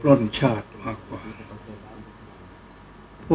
ก็ต้องทำอย่างที่บอกว่าช่องคุณวิชากำลังทำอยู่นั่นนะครับ